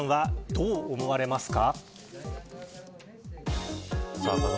どう思われますか。